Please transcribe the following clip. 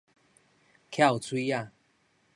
翹喙仔